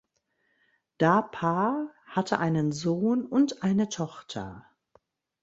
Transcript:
Da Paar hatte einen Sohn und eine Tochter.